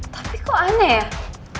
tapi kok aneh ya